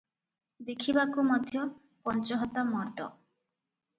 ଦେଖିବାକୁ ମଧ୍ୟ ପଞ୍ଚହତା ମର୍ଦ୍ଦ ।